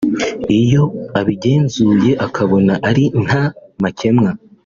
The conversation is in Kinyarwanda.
Iyo abigenzuye akabona ari nta makemwa